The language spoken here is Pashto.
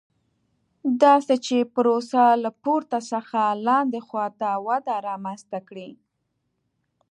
داسې چې پروسه له پورته څخه لاندې خوا ته وده رامنځته کړي.